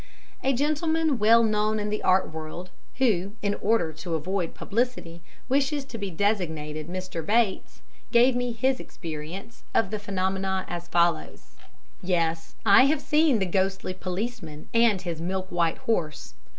A gentleman well known in the art world, who, in order to avoid publicity, wishes to be designated Mr. Bates, gave me his experience of the phenomena as follows: "Yes, I have seen the ghostly policeman and his milk white horse.